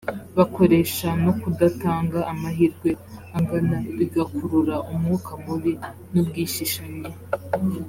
bakoresha no kudatanga amahirwe angana bigakurura umwuka mubi n ubwishishanye